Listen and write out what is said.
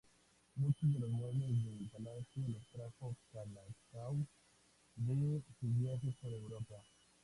Muchos de los muebles del palacio los trajo Kalākaua de sus viajes por Europa.